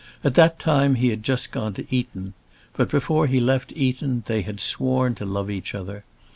At that time he had just gone to Eton; but before he left Eton they had sworn to love each other.